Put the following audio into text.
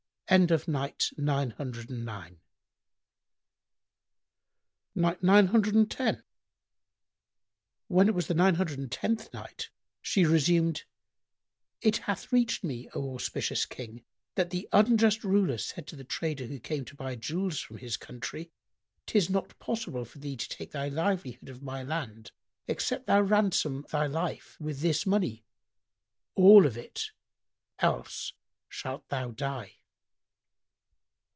When it was the Nine Hundred and Tenth Night, She resumed: It hath reached me, O auspicious King, that the unjust Ruler said to the trader who came to buy jewels from his country, "'Tis not possible for thee to take thy livelihood of my land except thou ransom thy life with this money, all of it; else shalt thou die."